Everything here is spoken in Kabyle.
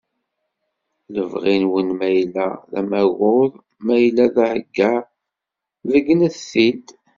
Lebɣi-nwen ma yella d amaɣud, ma yella d aheggar beggnet-t-id